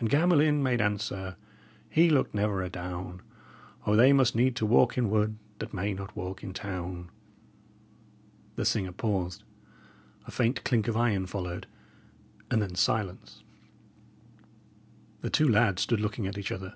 And Gamelyn made answer he looked never adown: 'O, they must need to walk in wood that may not walk in town!'" The singer paused, a faint clink of iron followed, and then silence. The two lads stood looking at each other.